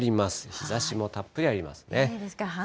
日ざしもたっぷりありますね。